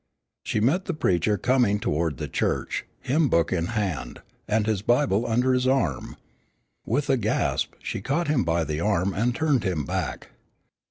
She met the preacher coming toward the church, hymn book in hand, and his Bible under his arm. With a gasp, she caught him by the arm, and turned him back.